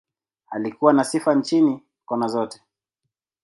Alikuwa na sifa nchini, kona zote.